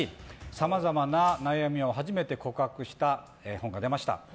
さまざまな悩みを初めて告白した本が出ました。